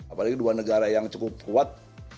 apalagi dua negara yang cukup kuat